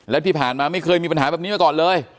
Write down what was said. และที่ผ่านมาไม่เคยมีปัญหาแบบนี้มาก่อนเลย